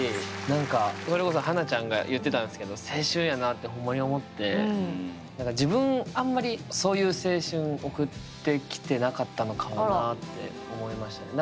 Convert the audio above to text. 何かそれこそ華ちゃんが言ってたんすけど青春やなあってほんまに思って自分あんまりそういう青春送ってきてなかったのかもなあって思いましたね。